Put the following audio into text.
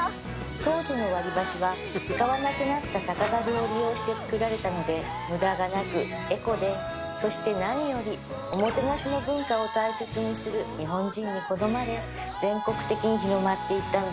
当時の割り箸は使わなくなった酒だるを利用して作られたので無駄がなくエコでそして何よりおもてなしの文化を大切にする日本人に好まれ全国的に広まっていったんだと思います